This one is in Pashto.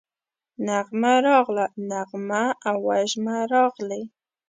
نغمه راغله، نغمه او وژمه راغلې